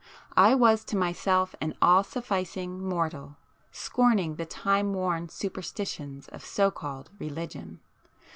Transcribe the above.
I was to myself an all sufficing mortal, scorning the time worn superstitions of so called religion.